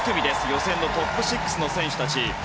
予選のトップ６の選手たち。